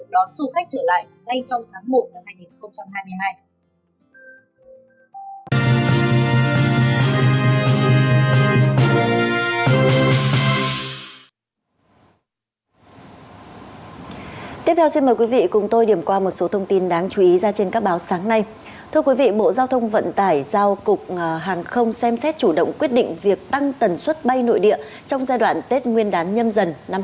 tỉnh bình thuận cũng vừa đề xuất chính phủ cho phép được đón du khách trở lại ngay trong tháng một hai nghìn hai mươi hai